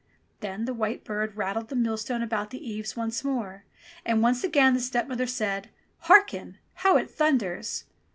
Then the white bird rattled the millstone about the eaves once more, and once again the stepmother said, " Harken ! How it thunders